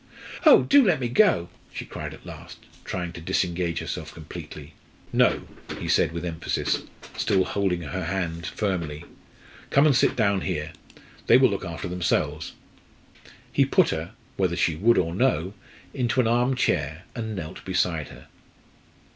"Oh, do let me go!" she cried at last, trying to disengage herself completely. "No!" he said with emphasis, still holding her hand firmly. "Come and sit down here. They will look after themselves." He put her, whether she would or no, into an arm chair and knelt beside her.